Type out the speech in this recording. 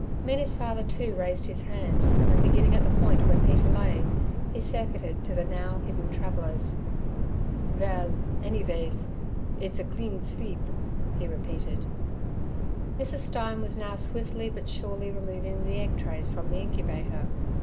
Mina's father, too, raised his hand, and beginning at the point where Peter lay, he circuited to the now hidden travellers. 'Vell, anyvays, id's a clean sveep' he repeated. Mrs. Stein now was swiftly but surely removing the egg trays from the incubator.